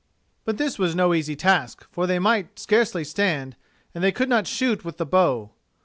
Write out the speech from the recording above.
But this was no easy task, for they might scarcely stand, and they could not shoot with the bow.